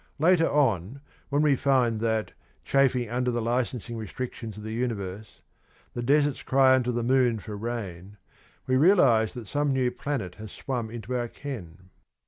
Later on when we find that (chafing under the licensing restrictions of the Universe) 'the deserts cry unto the moon for rain ' we realise that some new planet has swum into our ken.